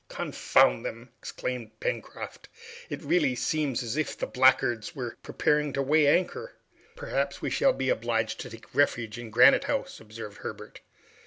"Confound them!" exclaimed Pencroft, "it really seems as if the blackguards were preparing to weigh anchor." "Perhaps we shall be obliged to take refuge in Granite House!" observed Herbert.